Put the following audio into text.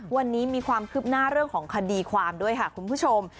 วันนี้มีความคืบหน้าเรื่องของคดีความด้วยค่ะคุณผู้ชม